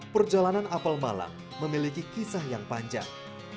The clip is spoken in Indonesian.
perjalanan apel malang memiliki kisah yang panjang